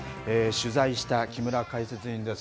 取材した木村解説委員です。